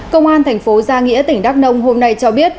công an thành phố gia nghĩa tỉnh đắk nông hôm nay cho biết